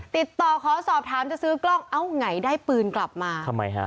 ติดต่อขอสอบถามจะซื้อกล้องเอ้าไงได้ปืนกลับมาทำไมฮะ